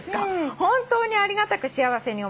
「本当にありがたく幸せに思いました」